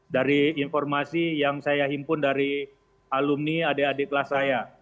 dari informasi yang saya himpun dari alumni adik adik kelas saya